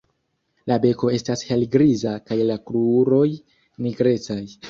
La beko estas helgriza kaj la kruroj nigrecaj.